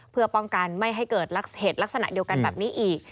เพื่อป้องกันไม่ให้เกิดเหตุลักษณะเดียวกันแบบนี้อีก